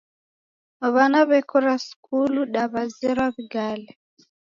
W'ana w'ekora sukulu da w'azerwa w'igale